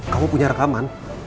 kamu punya rekaman